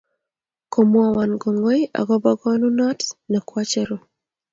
komeowon kongoi akobo konunot ne koacheru.